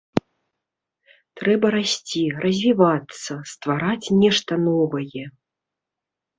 Трэба расці, развівацца, ствараць нешта новае.